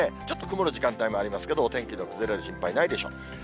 ちょっと曇る時間帯もありますけど、お天気の崩れる心配ないでしょう。